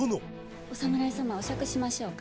お侍様お酌しましょうか。